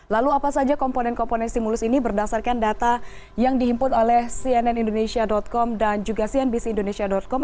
lalu apa saja komponen komponen stimulus ini berdasarkan data yang dihimpun oleh cnnindonesia com dan juga cnbc indonesia com